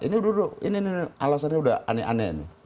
ini alasannya sudah aneh aneh